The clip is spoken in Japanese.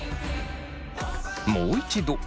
もう一度。